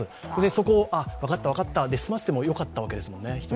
そこを、分かった分かったで済ませてもよかったんですもんね。